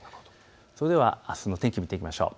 それではあすの天気を見ていきましょう。